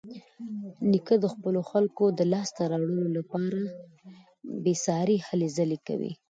نیکه د خپلو خلکو د لاسته راوړنو لپاره بېسارې هلې ځلې کوي.